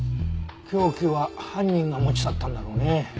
凶器は犯人が持ち去ったんだろうね。